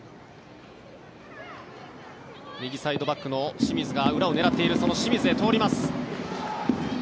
右サイドバックの清水が裏を狙っているその清水へ通ります。